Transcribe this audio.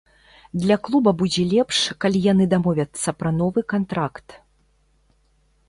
Для клуба будзе лепш, калі яны дамовяцца пра новы кантракт.